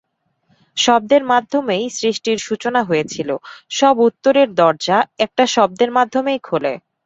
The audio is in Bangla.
শব্দের মাধ্যমেই সৃষ্টির সূচনা হয়েছিল, সব উত্তরের দরজা একটা শব্দের মাধ্যমেই খোলে!